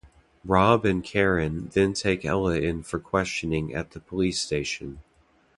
Rob and Karen then take Ella in for questioning at the police station.